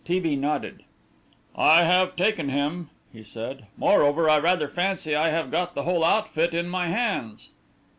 T. B. nodded. "I have taken him," he said; "moreover, I rather fancy I have got the whole outfit in my hands."